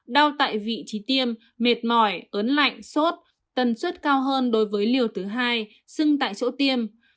đau tại vị trí tiêm mệt mỏi ớn lạnh sốt tần suất cao hơn đối với liều thứ hai sưng tại chỗ tiêm